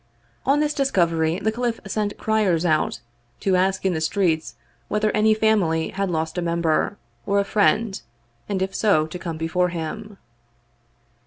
On this discovery the caliph sent criers out, to ask in the streets whether any family had lost a member, or a friend, and if so, to come before him.